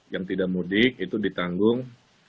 yang tidak mudik itu ditanggung